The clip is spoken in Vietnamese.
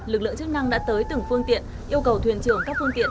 lực lượng chức năng đã tới từng phương tiện yêu cầu thuyền trưởng các phương tiện